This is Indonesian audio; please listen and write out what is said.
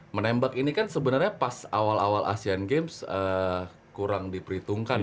menembak ini kan sebenarnya pas awal awal asean games kurang diperhitungkan